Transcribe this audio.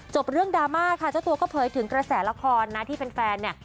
จบเรื่องดราม่าค่ะเจ้าตัวก็เผยถึงกระแสละครนะที่แฟนเนี่ย